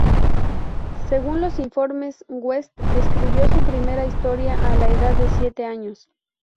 Según los informes, West escribió su primera historia a la edad de siete años.